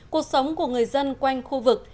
cuộc sống của người dân quanh khu vực